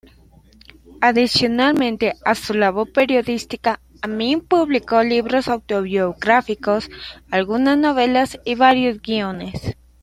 Adicionalmente a su labor periodística, Amin publicó libros autobiográficos, algunas novelas y varios guiones.